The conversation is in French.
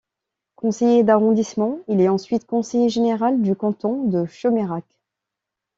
Conseiller d'arrondissement, il est ensuite conseiller général du canton de Chomérac.